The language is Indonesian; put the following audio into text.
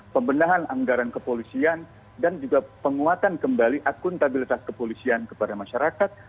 pembenahan anggaran kepolisian dan juga penguatan kembali akuntabilitas kepolisian kepada masyarakat